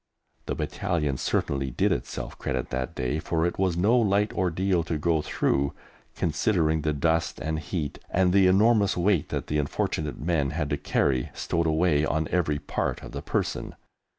The Battalion certainly did itself credit that day, for it was no light ordeal to go through, considering the dust and heat, and the enormous weight that the unfortunate men had to carry stowed away on every part of the person.